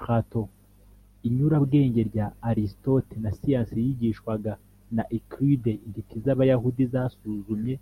Platon inyurabwenge rya Aristote na siyansi yigishwaga na Euclide intiti z Abayahudi zasuzumye